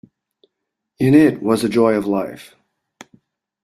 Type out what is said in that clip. In it was the joy of life.